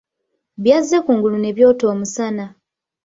Byazze kungulu ne byota omusana.